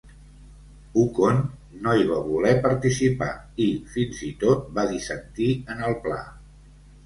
Ukon no hi va voler participar i, fins i tot, va dissentir en el pla.